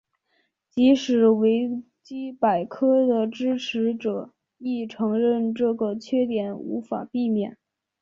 即使是维基百科的支持者亦承认这个缺点无法避免。